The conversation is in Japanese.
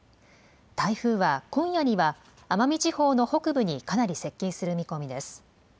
台風は今夜には奄美地方の北部にかなり接近する見込みです。